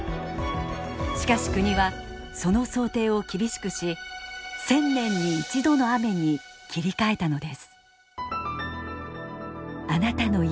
しかし国はその想定を厳しくし１０００年に１度の雨に切り替えたのです。